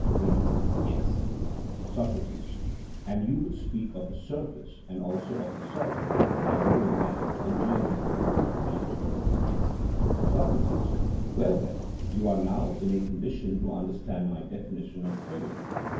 SOCRATES: And you would speak of a surface and also of a solid, as for example in geometry. MENO: Yes. SOCRATES: Well then, you are now in a condition to understand my definition of figure.